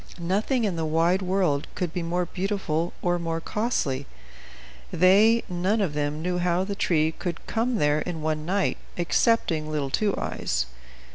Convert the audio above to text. Nothing in the wide world could be more beautiful or more costly. They none of them knew how the tree could come there in one night, excepting little Two Eyes.